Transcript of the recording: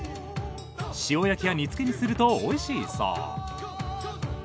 塩焼きや煮つけにするとおいしいそう。